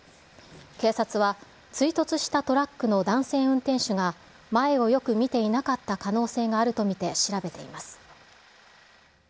警察は追突したトラックの男性運転手が前をよく見ていなかった可能性があると見て調べています。